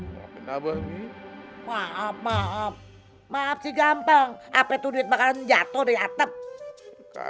sampai jumpa di video selanjutnya